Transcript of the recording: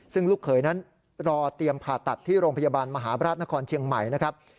ซึ่งลูกเขยนั้นรอเตรียมผ่าตัดที่โรงพยาบาลมหาบราชนครเชียงใหม่นะครับ